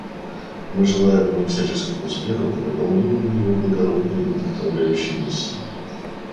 Мы желаем ему всяческих успехов в выполнении его благородной и вдохновляющей миссии.